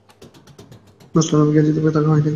বষ্টনে আমি গিয়াছি, তবে থাকা হয় নাই।